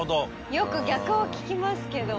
よく逆を聞きますけど。